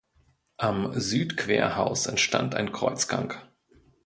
Am Südquerhaus entstand ein Kreuzgang.